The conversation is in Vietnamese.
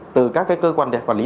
từ các cơ quan quản lý